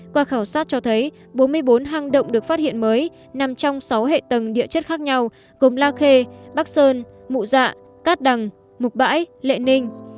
qua khảo sát cho thấy bốn mươi bốn hang động được phát hiện mới nằm trong sáu hệ tầng địa chất khác nhau gồm la khê bắc sơn mụ dạ cát đằng mục bãi lệ ninh